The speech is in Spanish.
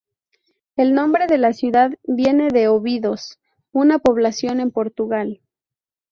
El nombre de la ciudad viene de Óbidos, una población en Portugal.